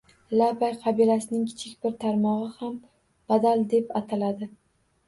Laqay qabilasining kichik bir tarmog‘i ham badal deb ataladi.